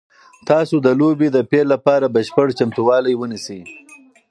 تاسو د لوبې د پیل لپاره بشپړ چمتووالی ونیسئ.